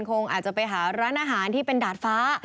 คงอาจจะไปหาร้านอาหารที่เป็นดาดฟ้า